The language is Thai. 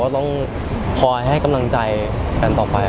เราก็ต้องช่วยให้กำลังใจกันต่อไป